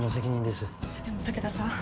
でも武田さん。